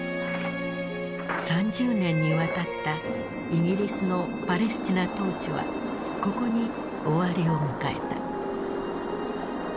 ３０年にわたったイギリスのパレスチナ統治はここに終わりを迎えた。